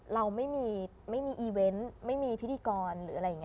เราไม่มีอีเว้นท์ไม่มีพิธีกร